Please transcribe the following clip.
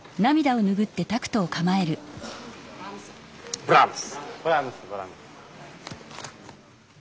ブラームス！